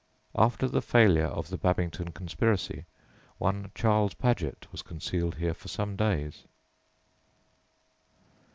After the failure of the Babington conspiracy one Charles Paget was concealed here for some days.